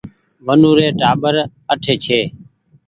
ونو ري ٽآٻر اٺ ڇي